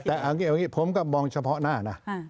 แต่เอาอย่างนี้ผมก็มองเฉพาะหน้านะ